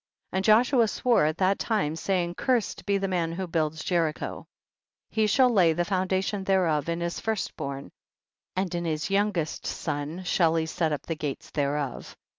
23. And Joshua swore at that time, saying, cursed be the man who builds Jericho ; he shall lay the foundation thereof in his first born, and in his youngest son shall he set up the gates thereof.